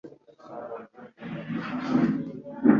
Diogène na Tayisi hamwe na Anaxagoras